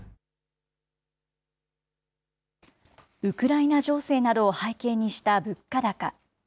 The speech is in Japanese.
ウクライナ情勢などを背景にした物価高。